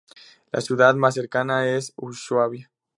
La ciudad más cercana es Ushuaia.